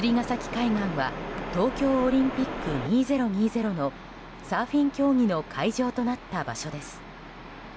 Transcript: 海岸は東京オリンピック２０２０のサーフィン競技の会場となった場所です。